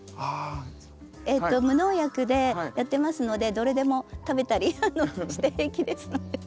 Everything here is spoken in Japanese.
無農薬でやってますのでどれでも食べたりして平気ですので。